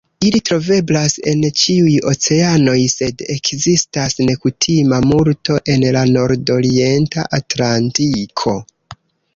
Ili troveblas en ĉiuj oceanoj, sed ekzistas nekutima multo en la nordorienta Atlantiko.